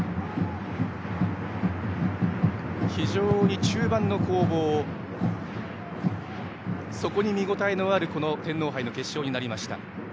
非常に中盤の攻防に見応えのあるこの天皇杯の決勝になりました。